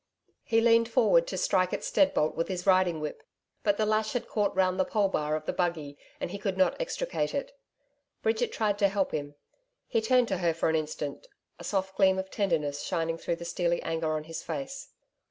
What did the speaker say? He leaned forward to strike at Steadbolt with his riding whip, but the lash had caught round the pole bar of the buggy, and he could not extricate it. Bridget tried to help him. He turned to her for an instant, a soft gleam of tenderness shining through the steely anger on his face.